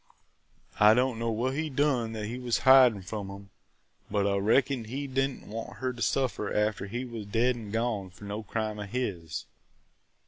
I don't know what he done that he was hidin' from 'em, but I reckoned he did n't want her to suffer after he was dead an' gone for no crime of his!"